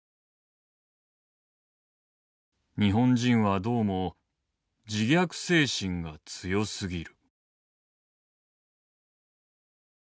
「日本人はどうも自虐精神が強すぎる」。